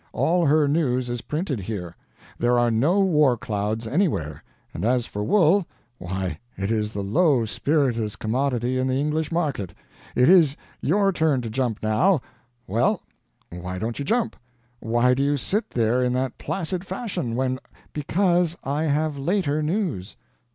All her news is printed here. There are no war clouds anywhere; and as for wool, why, it is the low spiritedest commodity in the English market. It is your turn to jump, now .... Well, why, don't you jump? Why do you sit there in that placid fashion, when " "Because I have later news."